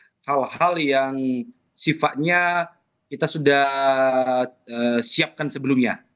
jadi ini adalah hal yang sifatnya kita sudah siapkan sebelumnya